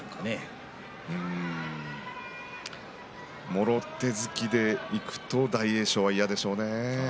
もろ手突きでいくと大栄翔は嫌でしょうね。